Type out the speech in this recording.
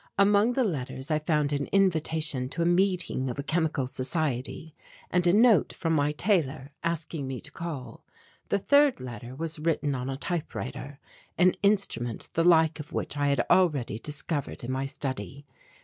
Among the letters I found an invitation to a meeting of a chemical society, and a note from my tailor asking me to call; the third letter was written on a typewriter, an instrument the like of which I had already discovered in my study.